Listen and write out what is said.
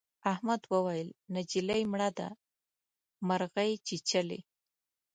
احمد وويل: نجلۍ مړه ده مرغۍ چیچلې.